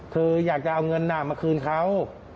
คืออยากจะเอาเงินมาคืนเขา